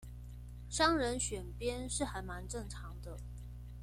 商人選邊是還蠻正常的